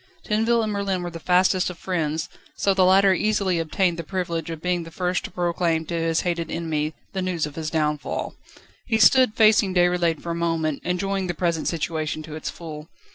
Tinville and Merlin were the fastest of friends, so the latter easily obtained the privilege of being the first to proclaim to his hated enemy, the news of his downfall. He stood facing Déroulède for a moment, enjoying the present situation to its full.